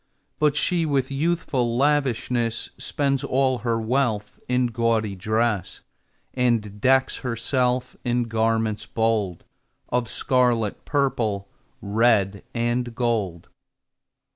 But she, with youthful lavishness, Spends all her wealth in gaudy dress, And decks herself in garments bold Of scarlet, purple, red, and gold.